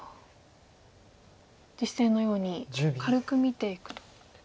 実戦のように軽く見ていくと。